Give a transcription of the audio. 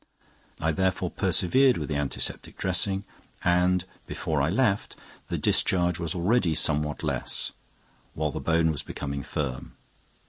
I. therefore, persevered with the antiseptic dressing; and, before I left, the discharge was already somewhat less, while the bone was becoming firm.